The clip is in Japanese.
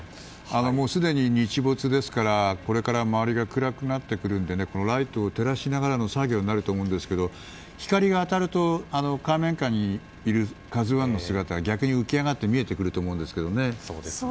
もう、すでに日没ですからこれから周りが暗くなるのでライトを照らしながらの作業になると思いますが光が当たると海面下にいる「ＫＡＺＵ１」の姿が逆に浮き上がって見えてくると思うんですけどね。